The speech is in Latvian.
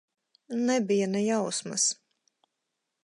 Nebija ne jausmas.